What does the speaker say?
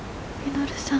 稔さん。